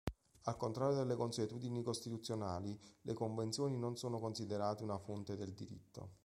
Al contrario delle consuetudini costituzionali, le convenzioni non son considerate una fonte del diritto.